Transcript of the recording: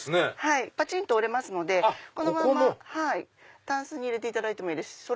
パチン！と折れますのでこのまんまタンスに入れていただいてもいいですし。